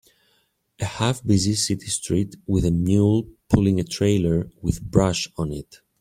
A half busy city street with a mule pulling a trailer with brush on it.